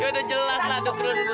yaudah jelas lah dukun